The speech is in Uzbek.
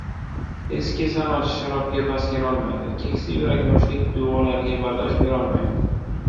Eski sanoch sharobga bas kelolmaydi, keksa yurak yoshlik tuyg‘ulariga bardosh berolmaydi.